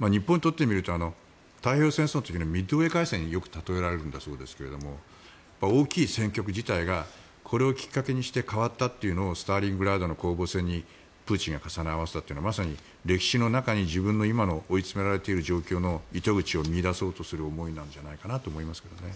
日本にとってみると太平洋戦争の時のミッドウェー海戦によく例えられるんだそうですが大きい戦局自体がこれをきっかけにして変わったというのをスターリングラードの攻防戦にプーチンが重ね合わせたのは歴史の中に今自分が追い詰められている状況の糸口を見いだそうとしているのではないかと思いますね。